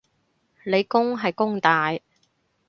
理工係弓大